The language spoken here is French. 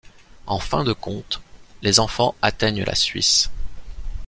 En fin de compte, les enfants atteignent la Suisse.